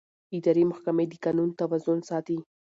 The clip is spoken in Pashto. اداري محکمې د قانون توازن ساتي.